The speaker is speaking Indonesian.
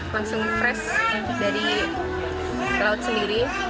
langsung fresh dari laut sendiri